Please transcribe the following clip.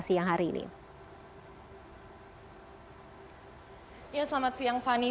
selamat siang vani